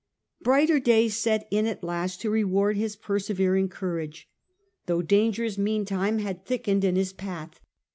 Brighter days set in at last to reward his persevering courage, though dangers meantime had thickened in his path.